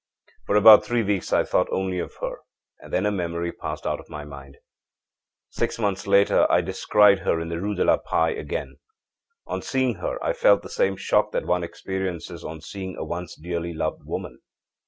âFor about three weeks I thought only of her; and then her memory passed out of my mind. âSix months later I descried her in the Rue de la Paix again. On seeing her I felt the same shock that one experiences on seeing a once dearly loved woman.